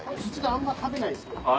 ・あんま食べないです